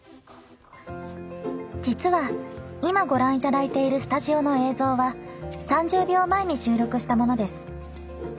実は今、ご覧いただいているスタジオの映像は３０秒前に収録したものです。